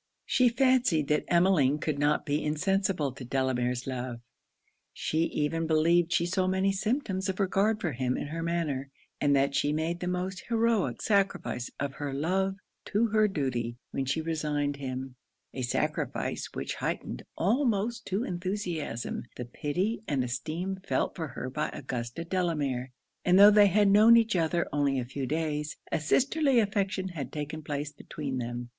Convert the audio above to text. She fancied that Emmeline could not be insensible to Delamere's love; she even believed she saw many symptoms of regard for him in her manner, and that she made the most heroic sacrifice of her love to her duty, when she resigned him: a sacrifice which heightened, almost to enthusiasm, the pity and esteem felt for her by Augusta Delamere; and though they had known each other only a few days, a sisterly affection had taken place between them.